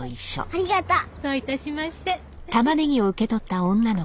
ありがとう。